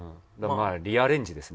リアレンジですね